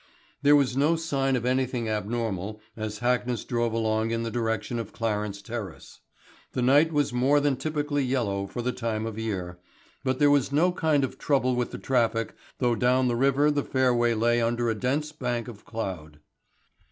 There was no sign of anything abnormal as Hackness drove along in the direction of Clarence Terrace. The night was more than typically yellow for the time of year, but there was no kind of trouble with the traffic though down the river the fairway lay under a dense bank of cloud.